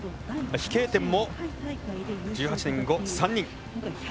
飛型点も１８．５、３人。